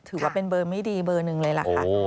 ถือว่าเป็นเบอร์ไม่ดีเบอร์หนึ่งเลยล่ะค่ะ